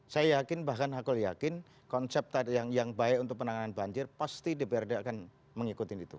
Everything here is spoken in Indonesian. saya yakin bahkan aku yakin konsep tadi yang baik untuk penanganan banjir pasti dprd akan mengikuti itu